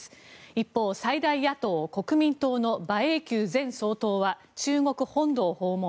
一方、最大野党・国民党の馬英九前総統は中国本土を訪問。